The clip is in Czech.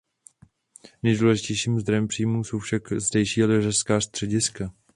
Nejdůležitějším zdrojem příjmů jsou však zdejší lyžařská střediska.